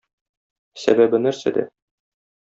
Сәбәбе нәрсәдә?